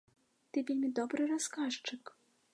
Ты вельмі добры расказчык!